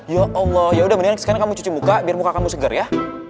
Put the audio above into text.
ya allah ya udah kamu cuci muka biar kamu segar ya